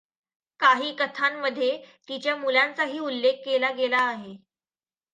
काही कथांमध्ये तिच्या मुलांचाही उल्लेख केला गेला आहे.